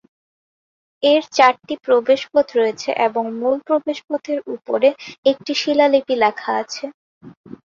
এর চারটি প্রবেশপথ রয়েছে এবং মূল প্রবেশপথের উপরে একটি শিলালিপি লেখা আছে।